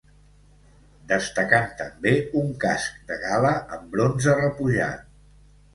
Destacant també un casc de gala en bronze repujat.